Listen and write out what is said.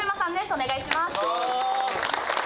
お願いします。